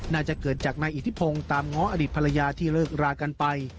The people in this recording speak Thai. น่าจะเกิดจากนายอิทธิพงศ์ตามง้ออดีตภรรยาที่เลิกรากันไป